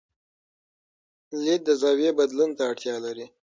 لید د زاویې بدلون ته اړتیا لري.